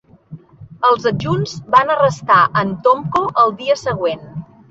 Els adjunts van arrestar en Tomko al dia següent.